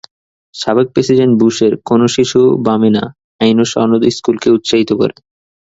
সাবেক প্রেসিডেন্ট বুশের 'কোন শিশু বামে না' আইনও সনদ স্কুলকে উৎসাহিত করে।